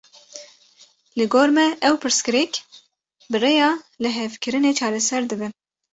Li gor me ew pirsgirêk, bi riya lihevkirinê çareser dibin